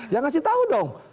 ya ngasih tau dong